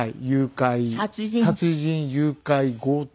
殺人誘拐強盗。